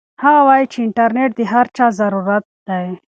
هغه وایي چې انټرنيټ د هر چا ضرورت دی.